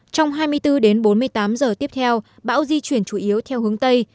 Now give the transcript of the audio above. trong hai mươi bốn đến bốn mươi tám giờ tiếp theo bão di chuyển chủ yếu theo hướng tây